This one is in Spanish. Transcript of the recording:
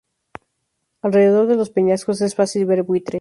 Alrededor de los peñascos es fácil ver buitres.